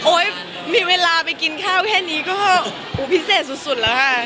โอ้ยมีเวลาไปกินข้าวแค่อันนี้ก็โหพิเศษสุด